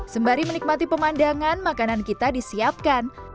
sembari menikmati pemandangan makanan kita disiapkan